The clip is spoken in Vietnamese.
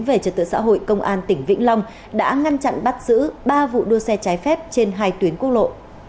về trật tự xã hội công an tỉnh vĩnh long đã ngăn chặn bắt giữ ba vụ đua xe trái phép trên hai tuyến quốc lộ